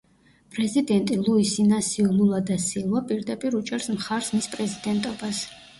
პრეზიდენტი ლუის ინასიუ ლულა და სილვა პირდაპირ უჭერს მხარს მის პრეზიდენტობას.